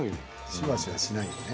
シュワシュワしないのね。